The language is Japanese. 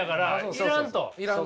要らんと。